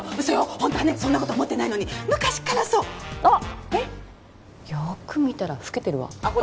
ホントはねそんなこと思ってないのに昔っからそうあっよく見たら老けてるわほら